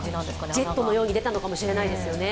ジェットのように出たのかもしれないですよね。